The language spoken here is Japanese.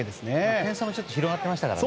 点差も広がっていましたからね。